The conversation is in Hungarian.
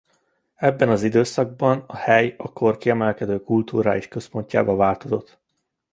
Ebben az időszakban a hely a kor kiemelkedő kulturális központjává változott.